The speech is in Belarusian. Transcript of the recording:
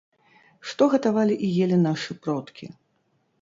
Што гатавалі і елі нашы продкі?